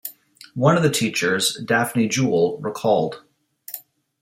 One of the teachers, Daphne Jewell, recalled.